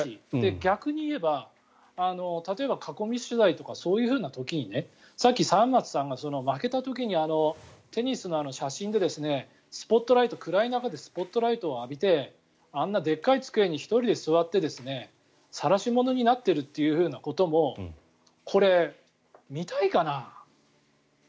逆に言えば、例えば囲み取材とかそういうふうな時にさっき沢松さんが負けた時に、テニスの写真で暗い中でスポットライトを浴びてあんなでかい机に１人で座ってさらし者になっているということもこれ、見たいかな？